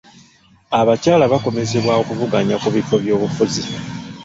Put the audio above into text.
Abakyala bakomezebwa okuvuganya ku bifo by'obufuzi.